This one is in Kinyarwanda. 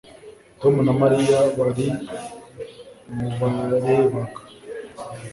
Tom na Mariya bari mubarebaga